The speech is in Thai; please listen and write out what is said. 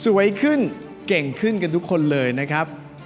สวยขึ้นเก่งขึ้นกันทุกคนเลยนะครับ